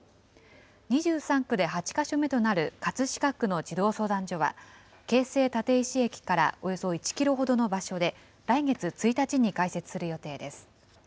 ２３区で８か所目となる葛飾区の児童相談所は京成立石駅からおよそ１キロほどの場所で、来月１日に開設する予定です。